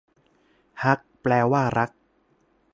ฮัก แปลว่า รัก